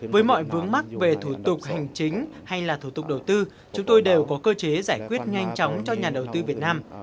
với mọi vướng mắc về thủ tục hành chính hay là thủ tục đầu tư chúng tôi đều có cơ chế giải quyết nhanh chóng cho nhà đầu tư việt nam